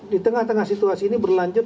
di tengah tengah situasi ini berlanjut